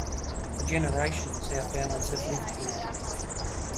For generations, our families have lived here.